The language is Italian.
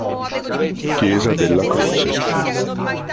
Chiesa della Croce